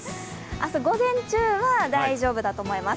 明日午前中は大丈夫だと思います。